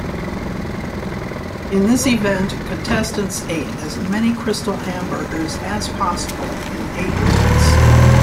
In this event, contestants ate as many Krystal hamburgers as possible in eight minutes.